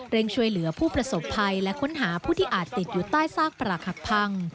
ช่วยเหลือผู้ประสบภัยและค้นหาผู้ที่อาจติดอยู่ใต้ซากปรักหักพัง